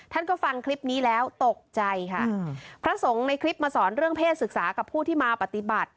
ท่านก็ฟังคลิปนี้แล้วตกใจค่ะพระสงฆ์ในคลิปมาสอนเรื่องเพศศึกษากับผู้ที่มาปฏิบัติ